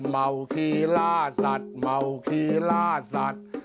เมาคีล่าสัตว์เมาขี่ล่าสัตว์